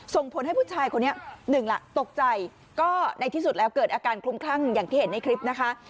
ส่งผลให้ผู้ชายคนนี้หนึ่งล่ะตกใจก็ในที่สุดแล้วเกิดอาการคลุมคลั่งอย่างที่เห็นในคลิปนะคะ